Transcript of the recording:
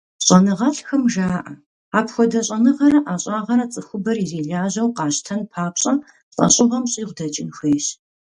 Щӏэныгъэлӏхэм жаӏэ: апхуэдэ щӏэныгъэрэ ӏэщӏагъэрэ цӏыхубэр ирилажьэу къащтэн папщӏэ, лӏэщӏыгъуэм щӏигъу дэкӏын хуейщ.